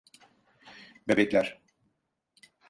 Bebekler.